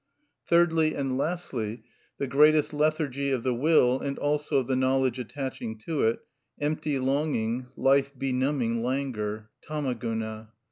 Thirdly and lastly, the greatest lethargy of the will, and also of the knowledge attaching to it, empty longing, life benumbing languor (Tama Guna).